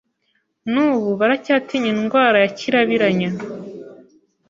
n'ubu baracyatinya indwara ya kirabiranya